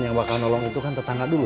yang bakal nolong itu kan tetangga dulu